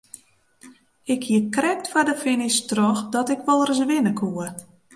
Ik hie krekt foar de finish troch dat ik wol ris winne koe.